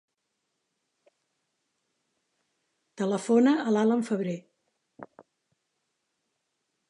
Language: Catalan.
Telefona a l'Alan Febrer.